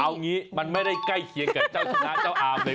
เอางี้มันไม่ได้ใกล้เคียงกับเจ้าชนะเจ้าอามเลย